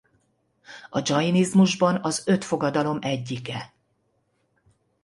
A dzsainizmusban az öt fogadalom egyike.